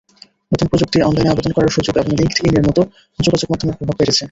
নতুন প্রযুক্তি, অনলাইনে আবেদন করার সুযোগ এবং লিংকডইনের মতো যোগাযোগমাধ্যমের প্রভাব বেড়েছে।